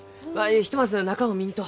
ひとまず中を見んと。